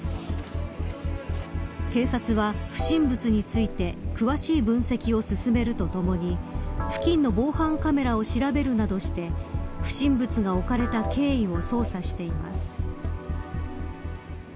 警察は不審物について詳しい分析を進めるとともに付近の防犯カメラを調べるなどして不審物が置かれた経緯を捜査しています。